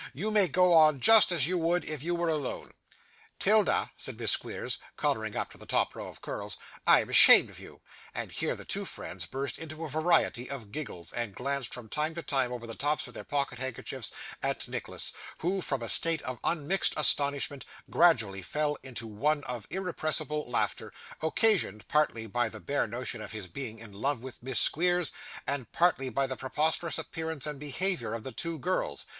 You may go on just as you would if you were alone.' ''Tilda,' said Miss Squeers, colouring up to the top row of curls, 'I am ashamed of you;' and here the two friends burst into a variety of giggles, and glanced from time to time, over the tops of their pocket handkerchiefs, at Nicholas, who from a state of unmixed astonishment, gradually fell into one of irrepressible laughter occasioned, partly by the bare notion of his being in love with Miss Squeers, and partly by the preposterous appearance and behaviour of the two girls.